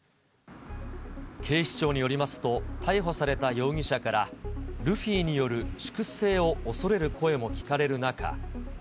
警視庁によりますと、逮捕された容疑者から、ルフィによる粛清を恐れる声も聞かれる中。